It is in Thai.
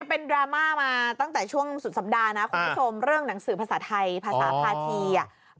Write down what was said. เป็นดราม่ามาตั้งแต่ช่วงสุดสัปดาห์นะคุณผู้ชมเรื่องหนังสือภาษาไทยภาษาภาษีอ่ะ